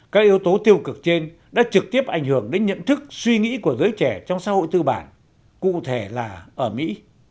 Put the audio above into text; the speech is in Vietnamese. các yếu tố tiêu cực trên đã trực tiếp ảnh hưởng đến nhận thức suy nghĩ của giới trẻ trong xã hội tư bản cụ thể là ở mỹ